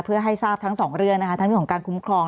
เพื่อให้ทราบทั้งสองเรื่องนะคะทั้งเรื่องของการคุ้มครอง